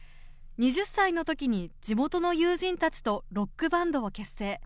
２０歳のときに地元の友人たちとロックバンドを結成。